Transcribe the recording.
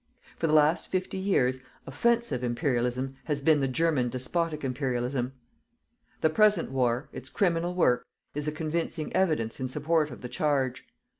For the last fifty years, "OFFENSIVE" IMPERIALISM has been the GERMAN DESPOTIC IMPERIALISM. The present war its criminal work is the convincing evidence in support of the charge.